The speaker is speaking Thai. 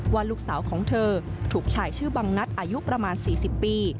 ว่าลูกสาวของเธอถูกชายชื่อบังนัดอายุประมาณ๔๐ปี